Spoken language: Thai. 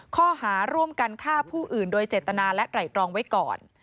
ข้อหาร่วมกันฆ่าผู้อื่นโดยเจตนาและไหล่ตรองไว้ก่อน